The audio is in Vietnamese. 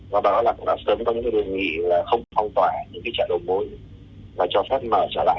và báo là cũng đã sớm vấn đề nghị là không phong tỏa những cái chợ đồ môi